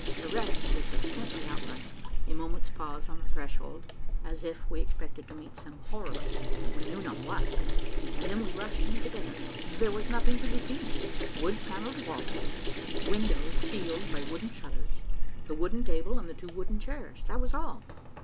The rest was but faintly outlined. A moment's pause on the threshold, as if we expected to meet some horror, we knew not what, and then we rushed in together. There was nothing to be seen. Wood panelled walls; windows sealed by wooden shutters; the wooden table and the two wooden chairs; that was all.